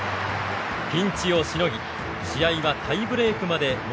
ピンチをしのぎ試合はタイブレークまでもつれ込みます。